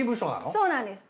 そうなんです。